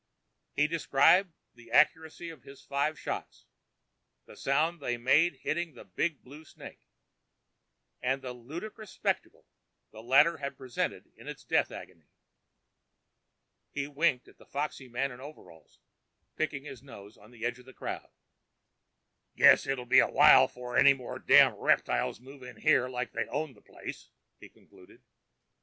He described the accuracy of his five shots, the sound they had made hitting the big blue snake, and the ludicrous spectacle the latter had presented in its death agony. He winked at a foxy man in overalls picking his nose at the edge of the crowd. "Guess it'll be a while 'fore any more damned reptiles move in here like they owned the place," he concluded.